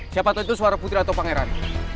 siapa tahu itu suara putri atau pangeran